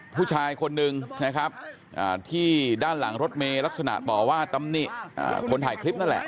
ผู้ชายคนนึงนะครับที่ด้านหลังรถเมย์ลักษณะต่อว่าตำหนิคนถ่ายคลิปนั่นแหละ